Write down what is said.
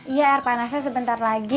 iya air panasnya sebentar lagi